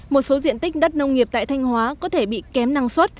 một số diện tích đất nông nghiệp tại thanh hóa có thể bị kém năng suất